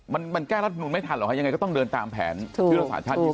มันแก้รัฐบนูลไม่ทันหรอกค่ะยังไงก็ต้องเดินตามตามแผนภิกษาชาที่สุด